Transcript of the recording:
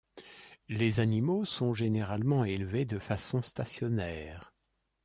Les animaux sont généralement élevés de façon stationnaire.